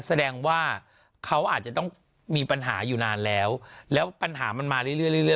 แสดงว่าเขาอาจจะต้องมีปัญหาอยู่นานแล้วแล้วปัญหามันมาเรื่อยเรื่อยเรื่อยเรื่อย